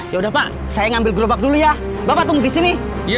ya udah pak saya ngambil gerobak dulu ya bapak tunggu di sini